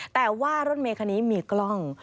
แต่ว่ารถเมคันนี้มีกล้อง